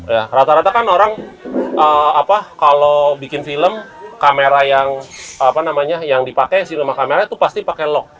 ya rata rata kan orang kalau bikin film kamera yang dipake cinema kameranya itu pasti pake lock